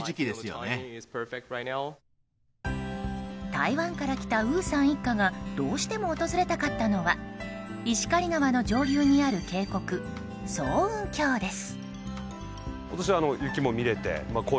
台湾から来たウーさん一家がどうしても訪れたかったのは石狩川の上流にある渓谷層雲峡です。